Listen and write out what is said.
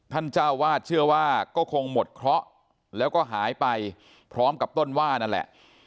เจ้าวาดเชื่อว่าก็คงหมดเคราะห์แล้วก็หายไปพร้อมกับต้นว่านั่นแหละ